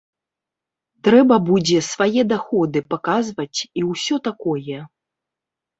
Трэба будзе свае даходы паказваць і ўсё такое.